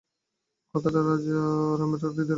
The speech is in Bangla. কথাটা রাজারামের হৃদয়ে গিয়ে লাগল।